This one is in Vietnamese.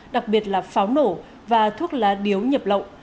đặc biệt là pháo nổ và thuốc lá điếu nhập lậu